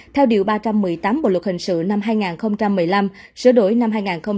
theo điều ba trăm một mươi tám bộ luật hình sự năm hai nghìn một mươi năm sửa đổi năm hai nghìn một mươi bảy